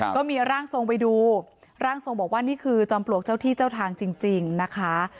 ก็มีร่างทรงไปดูร่างทรงบอกว่านี่คือจอมปลวกเจ้าที่เจ้าทางจริงนะคะ